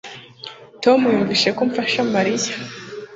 Tom yumvise ko mfasha Mariya